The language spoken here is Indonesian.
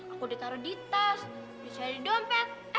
aku udah taruh di tas udah cari di dompet